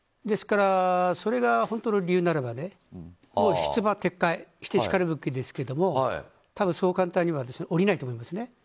それが本当の理由ならば出馬撤回してしかるべきですけど多分、そう簡単には降りないと思います。